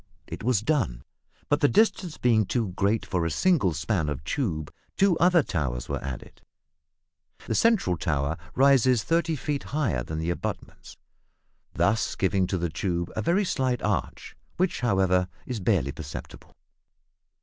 It was done; but the distance being too great for a single span of tube, two other towers were added. The centre towel rises 35 feet higher than the abutments, thus giving to the tube a very slight arch, which, however, is barely perceptible.